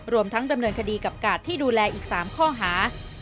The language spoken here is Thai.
รวมทั้งดำเนินคดีกับกาดที่ดูแลอีก๓ข้อหา